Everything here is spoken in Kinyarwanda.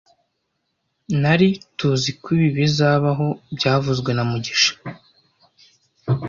Nari tuziko ibi bizabaho byavuzwe na mugisha